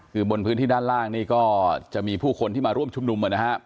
คือบนพื้นที่ด้านล่างนี่ก็จะมีผู้คนที่มาร่วมชุมนุมนะครับ